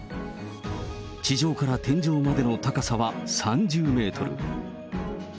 地上から天井までの高さは３０メートル。